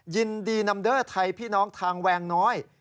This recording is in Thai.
ยินดีนำเดอร์ไทยพี่น้องทางแวงน้อย